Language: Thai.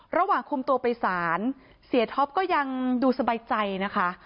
ระหว่างคุมตัวไปศาลเสียท็อปก็ยังดูสบายใจนะคะ